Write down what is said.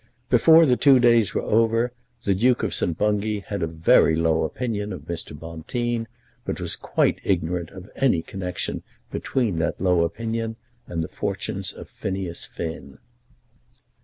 Before the two days were over, the Duke of St. Bungay had a very low opinion of Mr. Bonteen, but was quite ignorant of any connection between that low opinion and the fortunes of Phineas Finn.